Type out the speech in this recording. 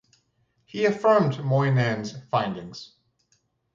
He affirmed Moynihan's findings.